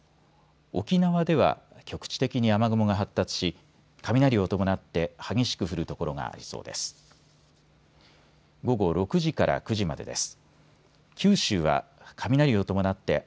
沖縄では局地的に雨雲が発達し雷を伴って激しく降る所がありそうです。